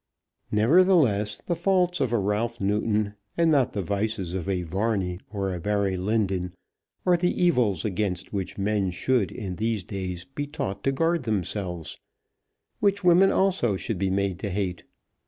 Nevertheless, the faults of a Ralph Newton, and not the vices of a Varney or a Barry Lyndon are the evils against which men should in these days be taught to guard themselves; which women also should be made to hate.